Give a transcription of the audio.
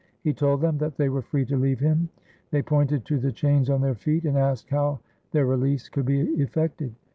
He told them that they were free to leave him. They pointed to the chains on their feet, and asked how their release could be effected